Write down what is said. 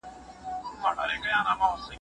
نو یو ښه لیکوال یې.